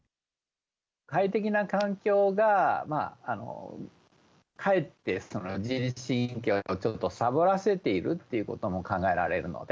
快適な環境がかえって自律神経をちょっとさぼらせているっていうことも考えられるので。